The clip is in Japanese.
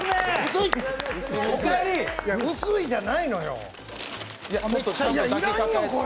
いや、薄いじゃないのよ。